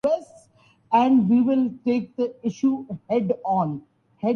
بھارتی کرکٹر وریندر سہواگ کا کرکٹ سے ریٹائرمنٹ کا اعلان